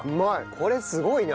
これすごいな。